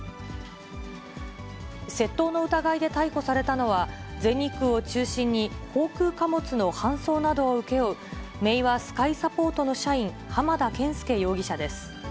窃盗の疑いで逮捕されたのは、全日空を中心に航空貨物の搬送などを請け負う、メイワスカイサポートの社員、浜田研介容疑者です。